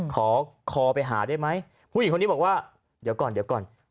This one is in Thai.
ขอคอไปหาได้ไหมผู้หญิงคนนี้บอกว่าเดี๋ยวก่อนเดี๋ยวก่อน